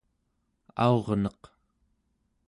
aurneq